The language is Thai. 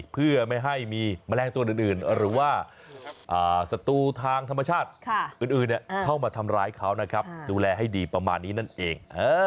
เพื่อไม่ให้มีแมลงตัวอื่นหรือว่าศัตรูทางธรรมชาติอื่นเข้ามาทำร้ายเขานะครับดูแลให้ดีประมาณนี้นั่นเอง